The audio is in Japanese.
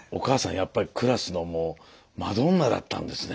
やっぱりクラスのもうマドンナだったんですね。